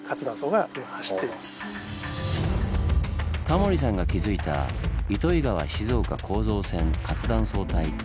タモリさんが気付いた糸魚川−静岡構造線活断層帯。